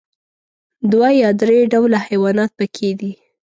دوه یا درې ډوله حيوانات پکې دي.